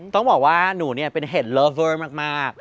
ต้องบอกว่าหนูเนี่ยเป็นเห็ดเลิฟเวอร์มาก